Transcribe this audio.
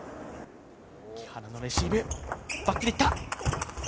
木原のレシーブ、バックでいった。